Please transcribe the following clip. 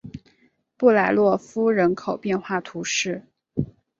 普莱洛夫人口变化图示